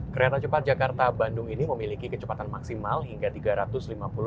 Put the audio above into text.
kereta cepat jakarta bandung ini memiliki kecepatan maksimal hingga tiga ratus lima puluh